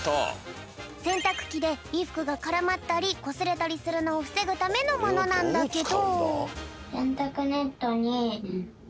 せんたくきでいふくがからまったりこすれたりするのをふせぐためのものなんだけど。